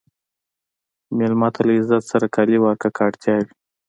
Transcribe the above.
مېلمه ته له عزت سره کالي ورکړه که اړتیا وي.